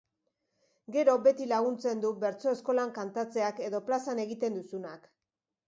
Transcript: Gero beti laguntzen du bertso eskolan kantatzeak edo plazan egiten duzunak.